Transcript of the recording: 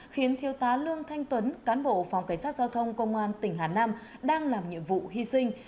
khiến thiếu tá lương thanh tuấn cán bộ phòng cảnh sát giao thông công an tỉnh hà nam đang làm nhiệm vụ hy sinh